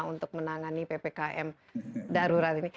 untuk menangani ppkm darurat ini